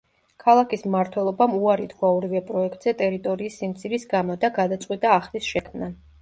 ქალაქის მმართველობამ უარი თქვა ორივე პროექტზე ტერიტორიის სიმცირის გამო და გადაწყვიტა ახლის შექმნა.